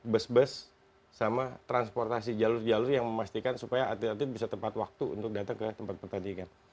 bus bus sama transportasi jalur jalur yang memastikan supaya atlet atlet bisa tepat waktu untuk datang ke tempat pertandingan